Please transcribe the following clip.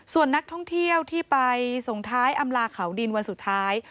ส่วนนักท่องเที่ยวที่ไปส่งท้ายอำลาเขาดินวันสุดท้าย